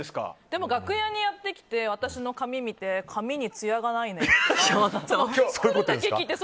でも楽屋にやってきて私の髪を見て髪にツヤがないねって。